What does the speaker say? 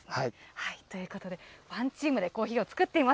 ということで、ワンチームでコーヒーを作っています。